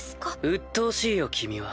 うっとうしいよ君は。